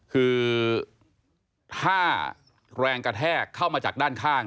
คือถ้าแรงกระแทกเข้ามาจากด้านข้าง